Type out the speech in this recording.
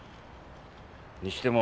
にしても